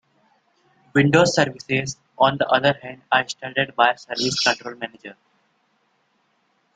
Windows services, on the other hand, are started by Service Control Manager.